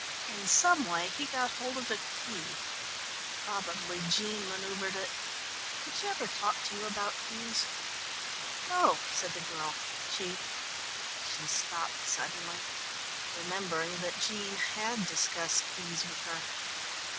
In some way he got hold of a key probably Jean manoeuvred it. Did she ever talk to you about keys?" "No," said the girl, "she " She stopped suddenly, remembering that Jean had discussed keys with her.